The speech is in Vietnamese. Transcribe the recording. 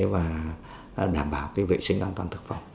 và đảm bảo vệ sinh an toàn thực phẩm